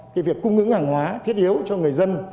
cái việc cung ứng hàng hóa thiết yếu cho người dân